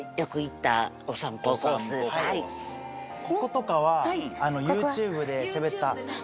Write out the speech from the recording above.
こことかはＹｏｕＴｕｂｅでしゃべった。